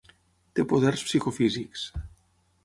Té poders psicofísics.